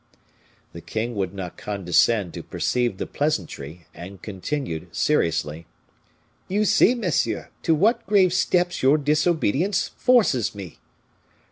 The king would not condescend to perceive the pleasantry, and continued, seriously, "You see, monsieur, to what grave steps your disobedience forces me."